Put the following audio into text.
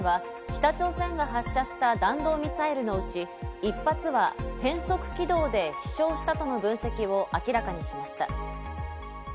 一方、岸防衛大臣は北朝鮮が発射した弾道ミサイルのうち、１発は変速軌道で飛翔したとの分析を明らかにしました。